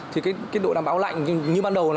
thì cái độ đảm bảo lạnh như ban đầu